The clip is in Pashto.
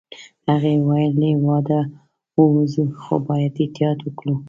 هغې وویل: له هیواده ووزو، خو باید احتیاط وکړو.